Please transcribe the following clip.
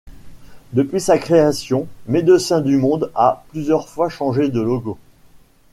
Depuis sa création, Médecins du monde a, plusieurs fois, changé de logo.